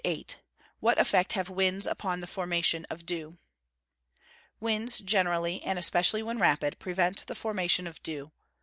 What effect have winds upon the formation of dew? Winds, generally, and especially when rapid, prevent the formation of dew.